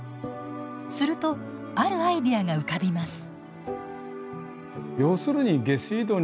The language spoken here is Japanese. するとあるアイデアが浮かびます。